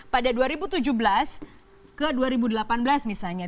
pada dua ribu tujuh belas ke dua ribu delapan belas misalnya